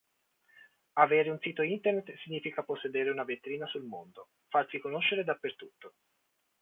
Avere un sito internet significa possedere una vetrina sul mondo, farsi conoscere dappertutto.